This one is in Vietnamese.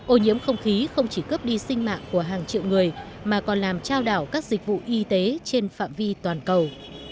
ô nhiễm không khí không chỉ cướp đi sinh mạng của hàng triệu người mà còn làm trao đảo các dịch vụ y tế trên phạm vi toàn cầu